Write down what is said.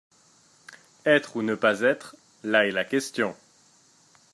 Être ou ne pas être, là est la question.